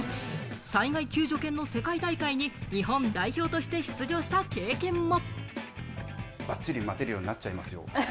災害救助犬の世界大会に日本代表として出場した経験も。